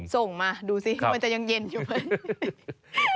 ส่งมาดูสิมันจะยังเย็นอยู่ไหม